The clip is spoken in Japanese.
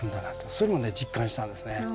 そういうのね実感したんですね。